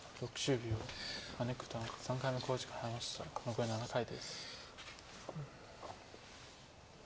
残り７回です。